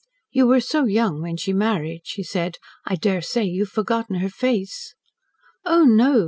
"You were so young when she married," she said. "I daresay you have forgotten her face." "Oh, no!"